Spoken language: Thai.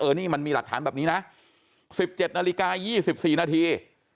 เออนี่มันมีหลักฐานแบบนี้นะสิบเจ็ดนาฬิกายี่สิบสี่นาที